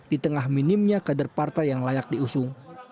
di tengah minimnya kader partai yang layak diusung